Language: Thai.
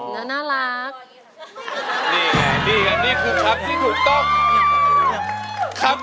นี่แหละนี่ครับนี่ถูกต้อง